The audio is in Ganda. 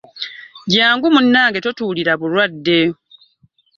Jangu munnange totuulira bulwadde.